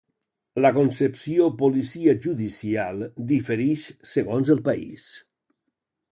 La concepció policia judicial diferix segons el país.